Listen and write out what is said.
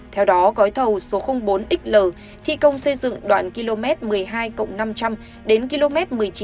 theo đó gói thầu số bốn xl thi công xây dựng đoạn km một mươi hai năm trăm linh đến km một mươi chín một trăm hai mươi